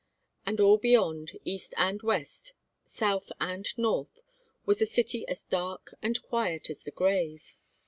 And all beyond, east and west, south and north, was a city as dark and quiet as the grave.